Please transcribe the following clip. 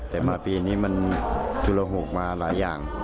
แต่มาปีนี้มันจุลหกมาหลายอย่าง